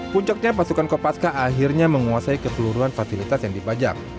puncaknya pasukan kopaska akhirnya menguasai keseluruhan komponen yang dibajak